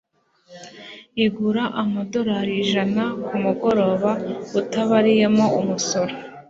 Igura amadorari ijana kumugoroba utabariyemo umusoro.